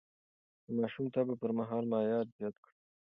د ماشوم د تبه پر مهال مايعات زيات کړئ.